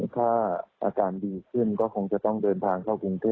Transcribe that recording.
ถ้าอาการดีขึ้นก็คงจะต้องเดินทางเข้ากรุงเทพ